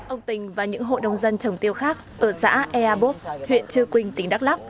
ông tình và những hộ đồng dân trồng tiêu khác ở xã eabop huyện trư quynh tỉnh đắk lắc